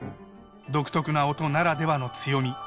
独特な音ならではの強み。